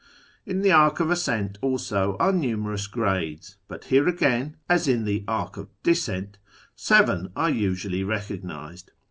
In the " Arc of Ascent " also are numerous grades ; but here again, as in the " Arc of Descent," seven are usually recog nised.